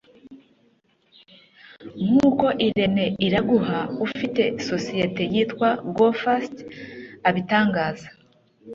nk’uko Irenee Iraguha ufite sosiyete yitwa Go Fast abitangaza